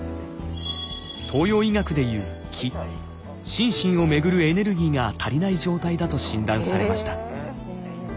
東洋医学で言う気心身を巡るエネルギーが足りない状態だと診断されました。